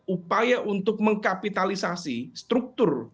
upaya untuk mengkapitalisasi struktur